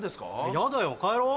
嫌だよ帰ろう。